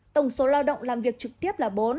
tổng số lao động làm việc trực tiếp là bốn